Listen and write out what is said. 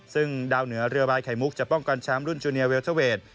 ซึ่งดาวเหนือเรือบายไข่มุกจะป้องกันแชมป์รุ่นจูเนียเวลเทอร์เวท